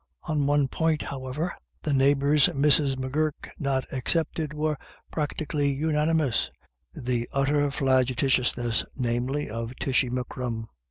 On one point, however, the neighbours, Mrs. M'Gurk not excepted, were practically unanimous, the utter flagitiousness, namely, of Tishy M'Crum.